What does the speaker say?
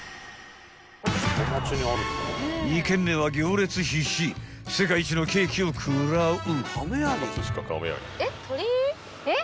［２軒目は行列必至世界一のケーキを食らう］